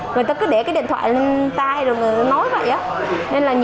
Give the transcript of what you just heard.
người ta cứ để cái điện thoại lên tay